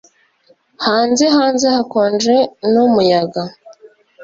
Hanze hanze hakonje numuyaga